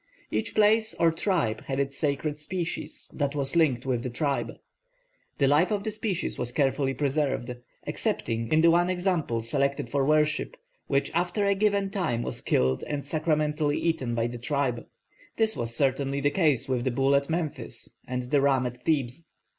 Each place or tribe had its sacred species that was linked with the tribe; the life of the species was carefully preserved, excepting in the one example selected for worship, which after a given time was killed and sacramentally eaten by the tribe. This was certainly the case with the bull at Memphis and the ram at Thebes.